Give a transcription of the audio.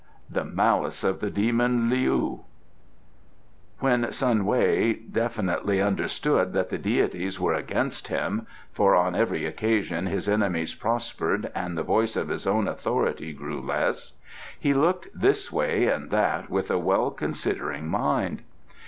THE MALICE OF THE DEMON, LEOU When Sun Wei definitely understood that the deities were against him (for on every occasion his enemies prospered and the voice of his own authority grew less), he looked this way and that with a well considering mind.